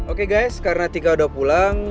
oke guys karena tika udah pulang